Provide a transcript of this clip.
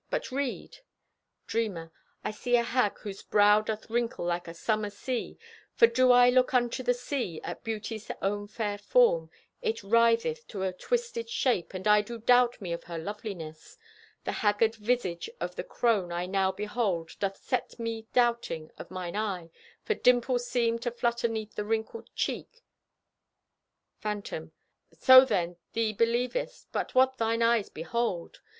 But read! Dreamer: I see a hag whose brow Doth wrinkle like a summer sea. For do I look unto the sea At Beauty's own fair form, It writheth to a twisted shape, And I do doubt me of her loveliness. The haggard visage of the crone I now behold, doth set me doubting Of mine eye, for dimples seem To flutter 'neath the wrinkled cheek. Phantom: So, then, thee believest But what thine eyes behold!